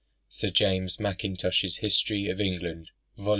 [Sir James Mackintosh's History of England, vol.